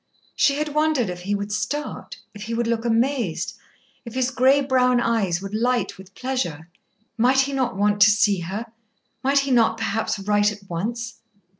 She had wondered if he would start, if he would look amazed, if his grey brown eyes would light with pleasure! Might he not want to see her? Might he not perhaps write at once?